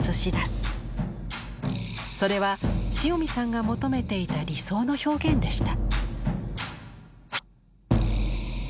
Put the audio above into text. それは塩見さんが求めていた理想の表現でした。